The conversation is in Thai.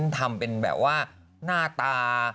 ทำเป็นแบบว่าหน้าตา